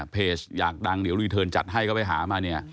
เพจอยากดังเดี๋ยวรีเทิร์นจัดให้ก็ไปหามา